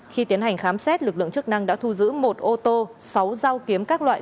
khi tiến hành khám xét lực lượng chức năng đã thu giữ một ô tô sáu dao kiếm các loại